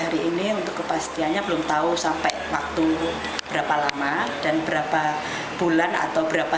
hari ini untuk kepastiannya belum tahu sampai waktu berapa lama dan berapa bulan atau berapa